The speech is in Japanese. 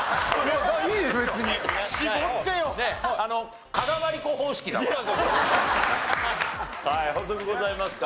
はい補足ございますか？